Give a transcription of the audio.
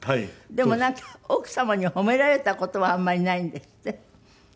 でもなんか奥様に褒められた事はあんまりないんですって？